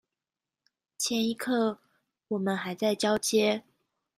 前一刻我們還在交接